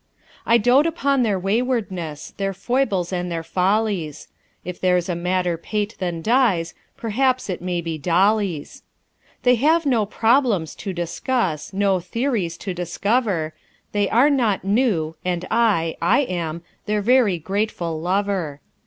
I dote upon their waywardness, Their foibles and their follies. If there's a madder pate than Di's, Perhaps it may be Dolly's. They have no "problems" to discuss, No "theories" to discover; They are not "new"; and I I am Their very grateful lover.